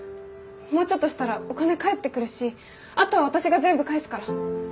もうちょっとしたらお金返ってくるしあとは私が全部返すから。